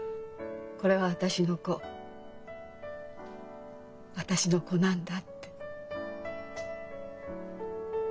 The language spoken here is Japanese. これは私の子私の子なんだって。